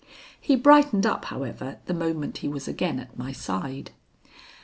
He brightened up, however, the moment he was again at my side.